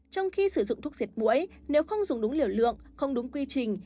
trong khi sử dụng thuốc diệt mũi nếu không dùng đúng liều lượng không đúng quy trình